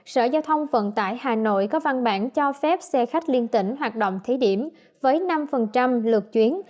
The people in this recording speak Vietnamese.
sở giao thông vận tải hà nội có văn bản cho phép xe khách liên tỉnh hoạt động thí điểm với năm lượt chuyến